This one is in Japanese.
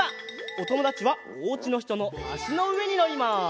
おともだちはおうちのひとのあしのうえにのります！